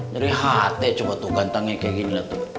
jadi hati coba tuh gantangnya kayak gini lah tuh